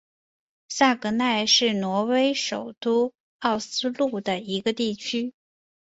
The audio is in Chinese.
萨格奈是挪威首都奥斯陆的一个地区。